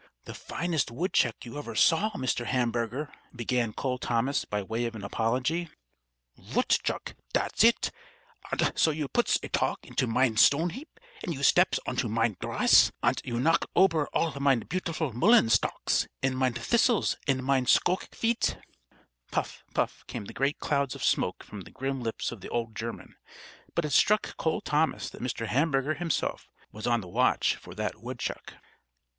"The finest woodchuck you ever saw, Mr. Hamburger," began Cole Thomas, by way of an apology. "Vootchuck! Dat's it! Ant so you puts a tog into mein stone heap, and you steps onto mein grass, ant you knock ober all mein beautiful mullein stalks and mein thistles and mein scoke veeds!" Puff! puff! came the great clouds of smoke from the grim lips of the old German, but it struck Cole Thomas that Mr. Hamburger himself was on the watch for that woodchuck.